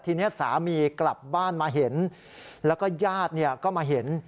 ทีนี้สามีกลับบ้านมาเห็นแล้วก็ญาติก็มาเห็น